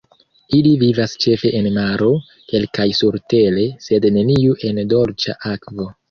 Ili vivas ĉefe en maro, kelkaj surtere, sed neniu en dolĉa akvo.